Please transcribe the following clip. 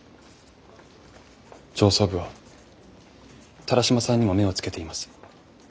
上層部は田良島さんにも目をつけています。